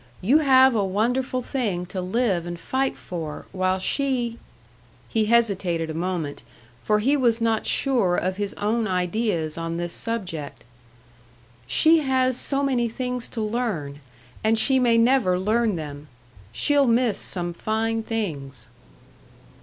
You have a wonderful thing to live and fight for; while she" he hesitated a moment, for he was not sure of his own ideas on this subject "she has so many things to learn; and she may never learn them. She'll miss some fine things."